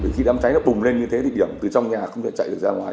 khi đám cháy nó bùng lên như thế thì điểm từ trong nhà cũng chạy ra ngoài